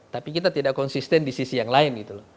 tapi kita tidak konsisten di sisi yang lain